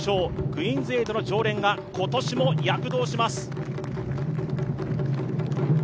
クイーンズ８の常連が今年も躍動します。